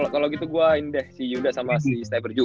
kalo gitu gue ini deh si yuda sama si stever ju